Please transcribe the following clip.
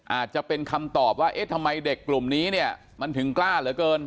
อาจจะเป็นคำตอบว่าเอ๊ะทำไมเด็กกลุ่มนี้เนี่ยมันถึงกล้าเหลือเกิน